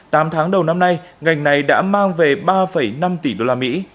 tám tháng đầu năm nay ngành này đã mang về ba năm tỷ đô la mỹ